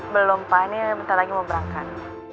belum pak ini bentar lagi mau berangkat